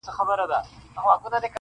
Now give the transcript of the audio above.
ته تر څه تورو تیارو پوري یې تللی -